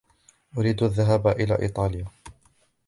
أريد الذهاب إلى إيطاليا.